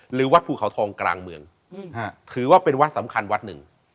หรือวัดภูเขาทองกลางเมืองถือว่าเป็นวัดสำคัญวัดหนึ่ง